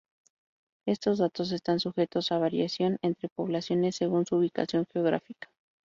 Estos datos están sujetos a variación entre poblaciones según su ubicación geográfica.